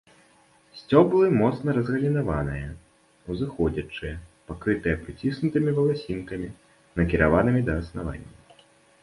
Сцеблы моцна разгалінаваныя, узыходзячыя, пакрытыя прыціснутымі валасінкамі, накіраванымі да аснавання.